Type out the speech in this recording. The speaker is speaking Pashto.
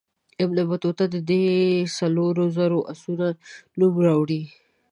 ابن بطوطه د دې څلورو زرو آسونو نوم نه راوړي.